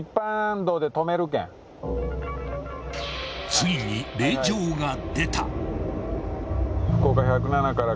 ［ついに令状が出た］